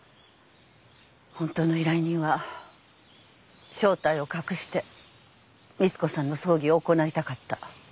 ホントの依頼人は正体を隠して光子さんの葬儀を行いたかった。